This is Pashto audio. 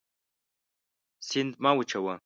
سیند مه وچوه.